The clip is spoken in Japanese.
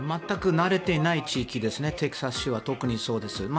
全く慣れていない地域ですねテキサス州は特にそうです。